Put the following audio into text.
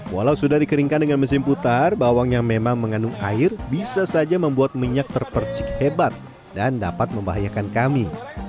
walau sudah dikeringkan dengan mesin putar bawang yang memang mengandung air bisa saja membuat minyak terpercik hebat dan dapat membahayakan kami